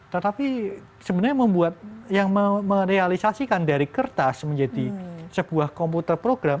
tetapi sebenarnya membuat yang merealisasikan dari kertas menjadi sebuah komputer program